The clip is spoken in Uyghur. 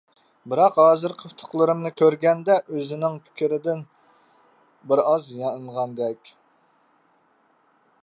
بىراق ھازىرقى ئۇتۇقلىرىمنى كۆرگەندە ئۆزىنىڭ پىكرىدىن بىرئاز يانغاندەك.